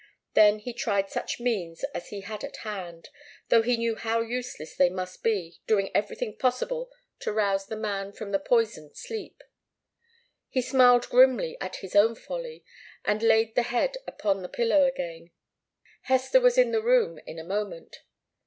Then he tried such means as he had at hand, though he knew how useless they must be, doing everything possible to rouse the man from the poisoned sleep. He smiled grimly at his own folly, and laid the head upon its pillow again. Hester was in the room in a moment.